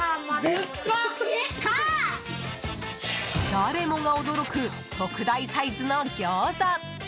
誰もが驚く特大サイズのギョーザ。